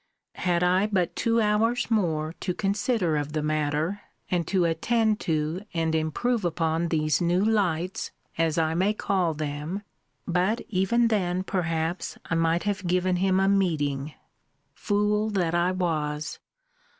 Had I but two hours more to consider of the matter, and to attend to and improve upon these new lights, as I may call them but even then, perhaps, I might have given him a meeting. Fool that I was!